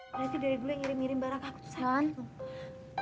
berarti dari dulu yang ngirim ngirim barang aku tuh